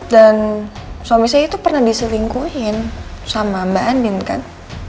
dan suami saya itu pernah diselingkuhin sama mbak andin kan